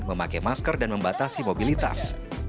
memakai masker dan membatasi mobilitas